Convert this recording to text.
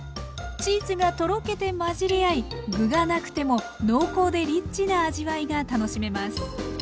チーズがとろけて混じり合い具がなくても濃厚でリッチな味わいが楽しめます！